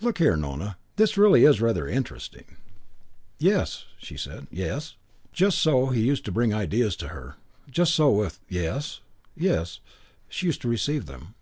Look here, Nona, this really is rather interesting " "Yes," she said. "Yes." Just so he used to bring ideas to her; just so, with "Yes yes," she used to receive them.